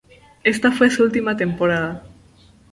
Ésta fue su última temporada.